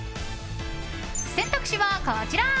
選択肢はこちら。